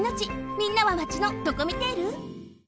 みんなはマチのドコミテール？